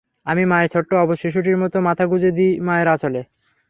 আমি মায়ের ছোট্ট অবুঝ শিশুটির মতো মাথা গুঁজে দিই মায়ের আচঁলে।